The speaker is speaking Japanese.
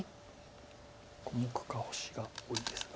小目か星が多いですが。